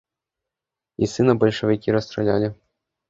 І сына бальшавікі расстралялі.